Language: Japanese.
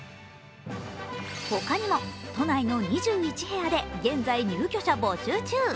他にも都内の２１部屋で現在入居者募集中。